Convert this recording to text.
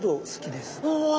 うわ。